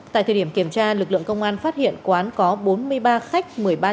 tại thời điểm kiểm tra lực lượng công an phát hiện quán có bốn mươi ba khách sạn